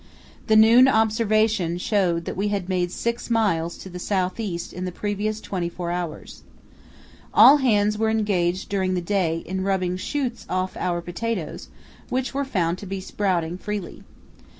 The noon observation showed that we had made six miles to the south east in the previous twenty four hours. All hands were engaged during the day in rubbing shoots off our potatoes, which were found to be sprouting freely.